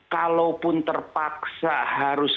kalaupun terpaksa harus